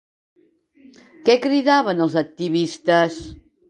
Què cridaven els activistes?